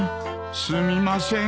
すみません